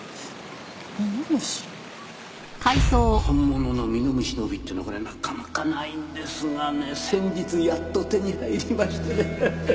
本物のミノムシの帯っていうのはこれなかなかないんですがね先日やっと手に入りましてね